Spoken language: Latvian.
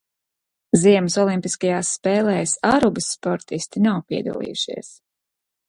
Ziemas olimpiskajās spēlēs Arubas sportisti nav piedalījušies.